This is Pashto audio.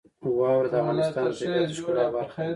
واوره د افغانستان د طبیعت د ښکلا برخه ده.